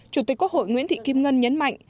chủ tịch quốc hội nguyễn thị kim ngân nhấn mạnh